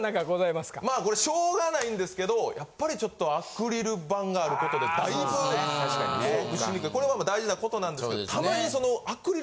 まあこれしょうがないんですけどやっぱりちょっとアクリル板があることでだいぶトークしにくいこれは大事なことなんですけどたまに。